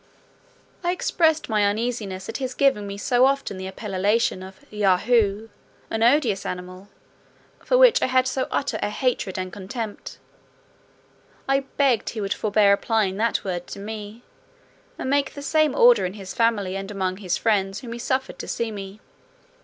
I expressed my uneasiness at his giving me so often the appellation of Yahoo, an odious animal, for which I had so utter a hatred and contempt: I begged he would forbear applying that word to me, and make the same order in his family and among his friends whom he suffered to see me.